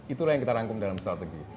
itulah yang kita rangkum dalam strategi